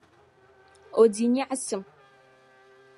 O di nyaɣisim.